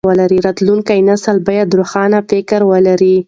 راتلونکی نسل بايد روښانه فکر ولري.